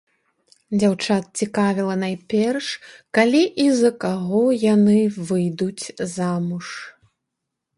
Дзяўчат цікавіла найперш, калі і за каго яны выйдуць замуж.